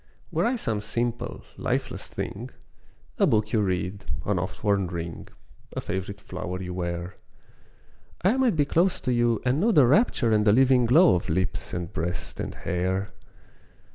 Were I some simple, lifeless thing, A book you read, an oft worn ring, A favourite flower you wear, I might be close to you and know The rapture and the living glow Of lips, and breast, and hair.